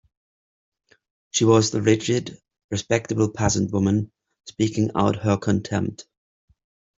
She was the rigid, respectable peasant woman, speaking out her contempt.